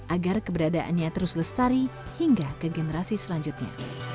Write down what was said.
agar keberadaannya terus lestari hingga ke generasi selanjutnya